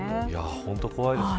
本当に怖いですよね。